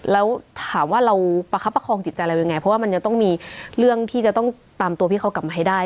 แล้วถามว่าเราประคับประคองจิตใจเรายังไงเพราะว่ามันจะต้องมีเรื่องที่จะต้องตามตัวพี่เขากลับมาให้ได้